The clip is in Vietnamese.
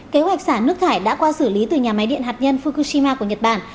kế hoạch xả nước thải đã qua xử lý từ nhà máy điện hạt nhân fukushima của nhật bản